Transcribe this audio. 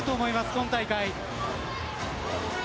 今大会。